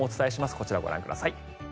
こちら、ご覧ください。